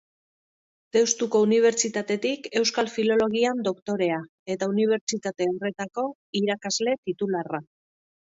Deustuko Unibertsitatetik Euskal Filologian doktorea, eta unibertsitate horretako irakasle titularra.